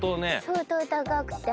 相当高くて。